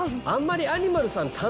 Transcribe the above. あんまりアニマルさん